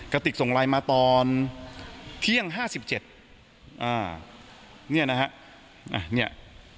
กระติกส่งไลน์มาตอนเที่ยงห้าสิบเจ็ดอ่าเนี่ยนะฮะอ่ะเนี่ย